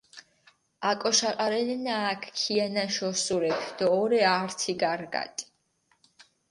აკოშაყარელენა აქ ქიანაში ოსურეფი დო ორე ართი გარგატი.